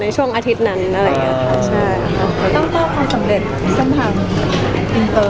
แต่จริงแล้วเขาก็ไม่ได้กลิ่นกันว่าถ้าเราจะมีเพลงไทยก็ได้